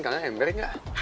kalian ember gak